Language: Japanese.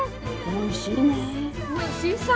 おいしいさ。